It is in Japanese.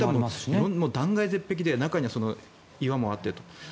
断崖絶壁で岩もあってと。